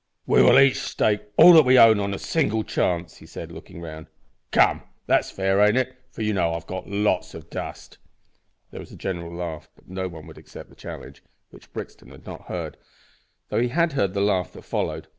"We will each stake all that we own on a single chance," he said, looking round. "Come, that's fair, ain't it? for you know I've got lots of dust." There was a general laugh, but no one would accept the challenge which Brixton had not heard though he heard the laugh that followed.